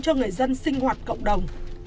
cho người dân sinh hoạt cộng đồng